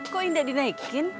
kok indah dinaikin